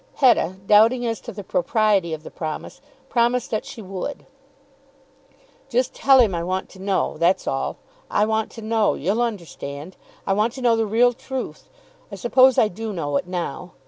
Hetta, doubting as to the propriety of the promise, promised that she would. "Just tell him I want to know; that's all. I want to know. You'll understand. I want to know the real truth. I suppose I do know it now.